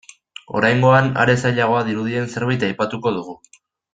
Oraingoan, are zailagoa dirudien zerbait aipatuko dugu.